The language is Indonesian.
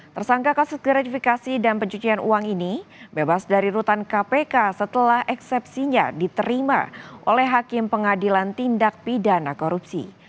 tersangka kasus gratifikasi dan pencucian uang ini bebas dari rutan kpk setelah eksepsinya diterima oleh hakim pengadilan tindak pidana korupsi